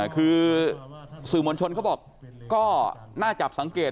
คือสื่อมวลชนเขาบอกก็น่าจับสังเกต